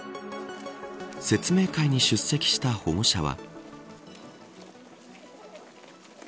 説明会に出席した保護者は。